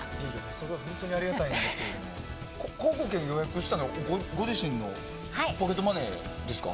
それは本当にありがたいんですけども航空券予約したのはご自身のポケットマネーですか。